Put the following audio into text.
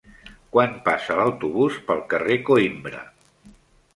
Quan passa l'autobús pel carrer Coïmbra?